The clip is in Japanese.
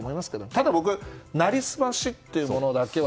ただ、僕はなりすましというものだけは。